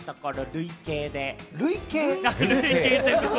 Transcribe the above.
累計？